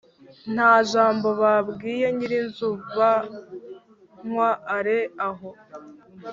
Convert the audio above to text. nta jambo babwiye nyirinzu, banywa ale aho,